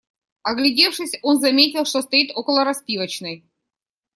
Оглядевшись, он заметил, что стоит около распивочной.